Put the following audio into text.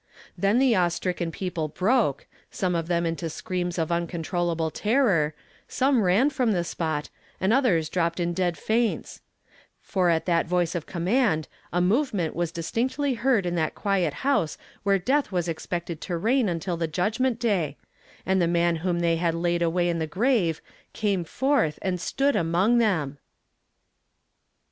Then the awe stricken people broke, some of them into screams of uncontrollable terror, some ran from the spot, and others dropped in dead faints ; for at that voice of connnand a movement was distinctly heard in that quiet house where death was expected to reign until the judg ment day, and the man whom they had laid away in the grave came forth and stood among them ! 288 YESTERDAY FHAMED IN TO DAY.